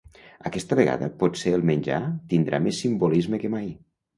Aquesta vegada potser el menjar tindrà més simbolisme que mai.